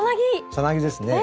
さなぎですね。